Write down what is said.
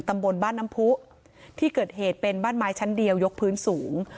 ตำบลบ้านน้ำผู้ที่เกิดเหตุเป็นบ้านไม้ชั้นเดียวยกพื้นสูง